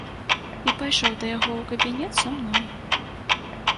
І пайшоў да яго ў кабінет са мной.